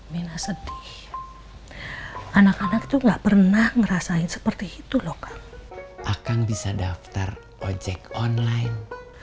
mina sedih anak anak juga pernah ngerasain seperti itu lo kan akan bisa daftar ojek online